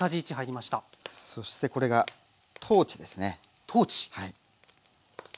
そしてこれがトーチですね。